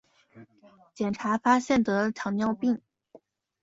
检查发现得了糖尿病